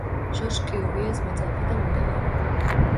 ჟორჟ კიუვიეს მოწაფე და მიმდევარი.